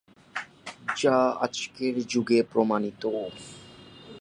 যা আজকের যুগে প্রমাণিত।